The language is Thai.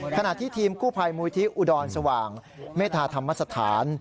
ขณะที่ทีมกู้ภัยมูลที่อุดรสว่างเมธาธรรมสถาน